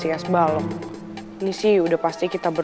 ini sebenernya ada konsep itunya